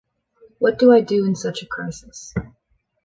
What do I do in such a crisis?